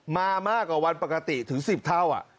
มามากกว่าวันปกติถึงสิบเท่าอ่ะ